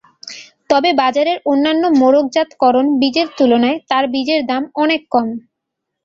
তবে বাজারের অন্যান্য মোড়কজাতকরণ বীজের তুলনায় তাঁর বীজের দাম অনেক কম।